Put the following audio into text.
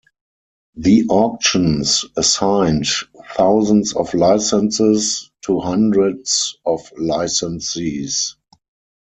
The auctions assigned thousands of licenses to hundreds of licensees.